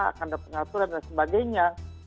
akan terpengaruh dan sebagainya